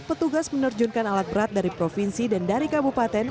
petugas menerjunkan alat berat dari provinsi dan dari kabupaten